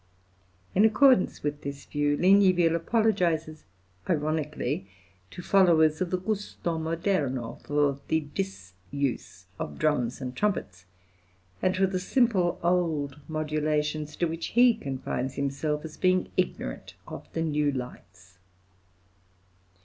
In accordance with this view Ligniville apologises ironically to followers of the gusto moderno for the disuse of drums and trumpets, and for the simple old modulations to which he confines himself as being ignorant of the new lights.